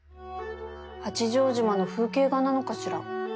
八丈島の風景画なのかしら？